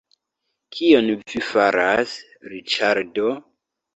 Kion vi faras Riĉardo!